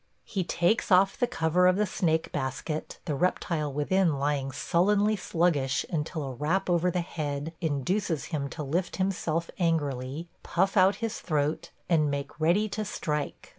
– He takes off the cover of the snake basket, the reptile within lying sullenly sluggish until a rap over the head induces him to lift himself angrily, puff out his throat, and make ready to strike.